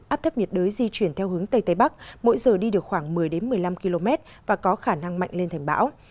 áp thấp nhiệt đới di chuyển theo hướng tây tây bắc mỗi giờ đi được khoảng một mươi một mươi năm km và có khả năng mạnh lên thành bão